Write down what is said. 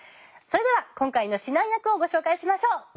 それでは今回の指南役をご紹介しましょう。